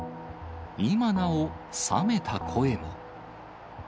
今なお冷めた声も。